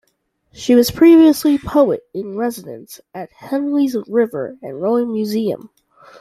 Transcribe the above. She was previously poet in residence at Henley's River and Rowing museum.